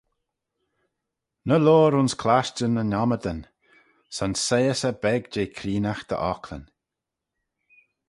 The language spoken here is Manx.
Ny loayr ayns clashtyn yn ommydan: son soie-ys eh beg jeh creenaght dty ocklyn.